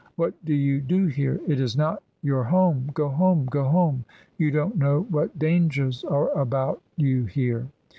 What do you do here? It is not your home. Go home, go home; you don't know what dangers are about you here."